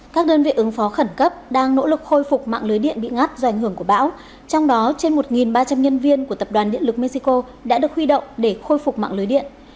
các đơn vị ứng phó khẩn cấp đang nỗ lực khôi phục mạng lưới điện bị ngắt do ảnh hưởng của bão trong đó trên một ba trăm linh nhân viên của tập đoàn điện lực mexico đã được huy động để khôi phục mạng lưới điện